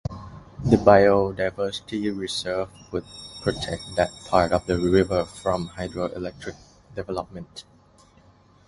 The biodiversity reserve would protect that part of the river from hydroelectric development.